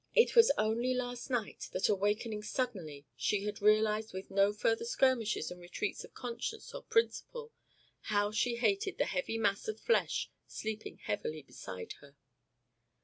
It was only last night that awakening suddenly she had realised with no further skirmishes and retreats of conscience or principle how she hated the heavy mass of flesh sleeping heavily beside her.